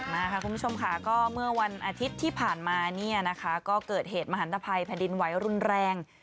มาค่ะคุณผู้ชมค่ะก็เมื่อวันอาทิตย์ที่ผ่านมาเนี่ยนะคะก็เกิดเหตุมหันตภัยแผ่นดินไหวรุนแรง